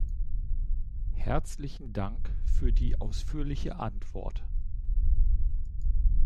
Herzlichen Dank für die ausführliche Antwort.